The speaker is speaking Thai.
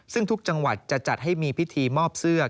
ซึ่งทุกจังหวัดจะจัดให้มีพิธีมอบเสื้อ